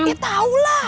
ya tau lah